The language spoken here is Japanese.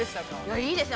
◆いいですね。